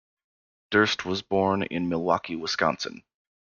Durst was born in Milwaukee, Wisconsin.